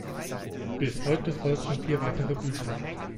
Bis heute folgten vier weitere Bücher.